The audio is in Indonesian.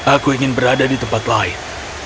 aku ingin berada di tempat lain